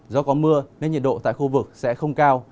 do có mưa nên nhiệt độ tại khu vực sẽ không cao